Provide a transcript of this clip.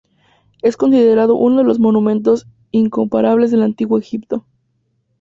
Es considerado "uno de los monumentos incomparables del Antiguo Egipto".